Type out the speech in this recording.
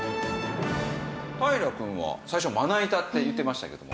平くんは最初まな板って言ってましたけども。